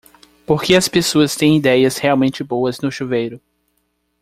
Por que as pessoas têm idéias realmente boas no chuveiro?